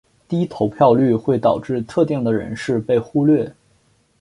低投票率会导致特定的人士被忽略。